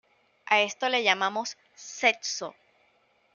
A esto le llamamos "sexo".